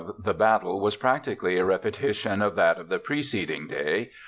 _] The third day of battle was practically a repetition of that of the preceding day.